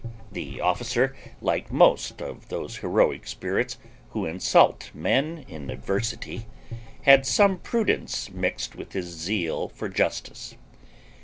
The officer, like most of those heroic spirits who insult men in adversity, had some prudence mixt with his zeal for justice.